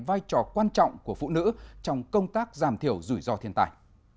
vai trò quan trọng của phụ nữ trong công tác giảm thiểu rủi ro thiên tài